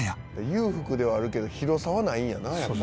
「裕福ではあるけど広さはないんやなやっぱり」